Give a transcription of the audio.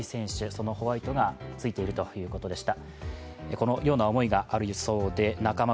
そのホワイトがついているということでした。